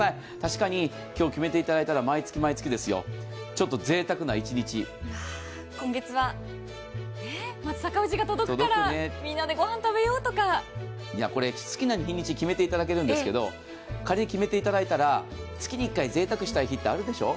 確かに今日決めていただいたら、毎月毎月ですよ、今月は松阪牛が届くからみんなで御飯食べようとか好きな日にちを決めていただけるんですけど、仮に決めていただいたら、月に１回ぜいたくしたい日ってあるでしょう。